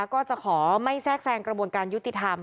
ก็จะขอไม่แทรกแทรงกระบวนการยุติธรรม